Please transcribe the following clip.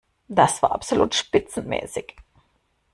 Das war absolut spitzenmäßig!